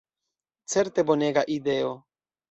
Certe bonega ideo.